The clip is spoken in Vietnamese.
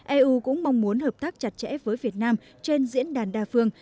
eu cũng mong muốn hợp tác chặt chẽ với việt nam trên diễn đàn đa phương